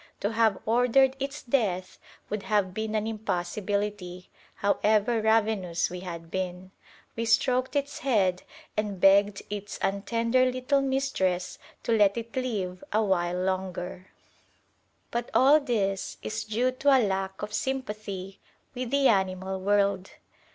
To have ordered its death would have been an impossibility, however ravenous we had been. We stroked its head and begged its untender little mistress to let it live a while longer. But all this is due to a lack of sympathy with the animal world.